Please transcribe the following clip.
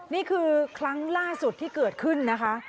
นี่คือครั้งล่าสุดที่เกิดขึ้นนะคะ